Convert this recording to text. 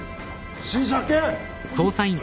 不審者発見！